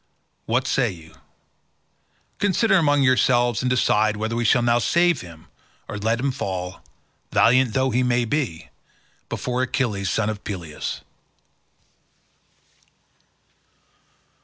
What say you? Consider among yourselves and decide whether we shall now save him or let him fall, valiant though he be, before Achilles, son of Peleus."